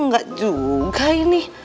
enggak juga ini